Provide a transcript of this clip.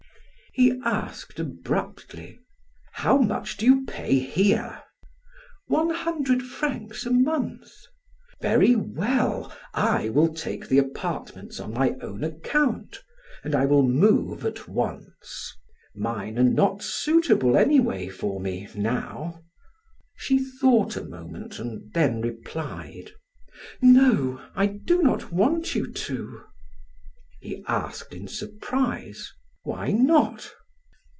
He asked abruptly: "How much do you pay here?" "One hundred francs a month." "Very well, I will take the apartments on my own account, and I will move at once. Mine are not suitable anyway for me now." She thought a moment and then replied: "No I do not want you to." He asked in surprise: "Why not?"